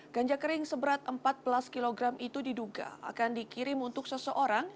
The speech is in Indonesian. ganja kering seberat empat belas kg itu diduga akan dikirim untuk seseorang